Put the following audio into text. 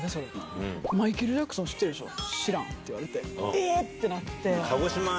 え⁉ってなって。